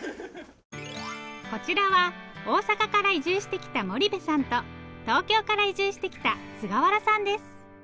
こちらは大阪から移住してきた森部さんと東京から移住してきた菅原さんです。